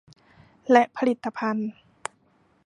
และผลิตภัณฑ์